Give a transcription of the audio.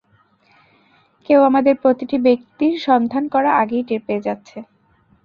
কেউ আমাদের প্রতিটি ব্যক্তির সন্ধান করা আগেই টের পেয়ে যাচ্ছে।